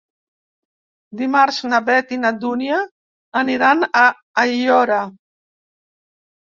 Dimarts na Beth i na Dúnia aniran a Aiora.